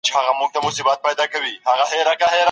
دا شورا د بحران په وخت کي کار کوي.